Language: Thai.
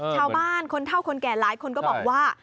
ชาวบ้านคนเท่าคนแก่หลายคนก็บอกว่า